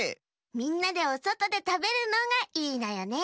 みんなでおそとでたべるのがいいのよね。